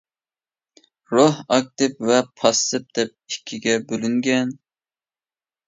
روھ ئاكتىپ ۋە پاسسىپ دەپ ئىككىگە بۆلۈنگەن.